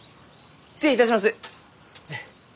失礼いたします。